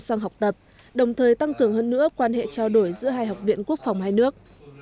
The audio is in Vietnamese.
sang học tập đồng thời tăng cường hơn nữa quan hệ trao đổi giữa hai học viện quốc phòng hai nước